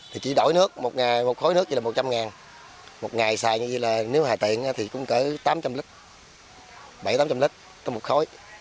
thì chỉ đổi nước một khối nước chỉ là một trăm linh một ngày xài như vậy là nếu hài tiện thì cũng cỡ tám trăm linh lít bảy trăm linh tám trăm linh lít có một khối